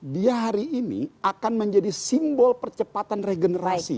dia hari ini akan menjadi simbol percepatan regenerasi